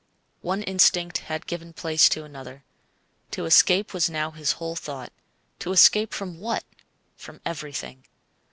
One instinct had given place to another. To escape was now his whole thought to escape from what? From everything.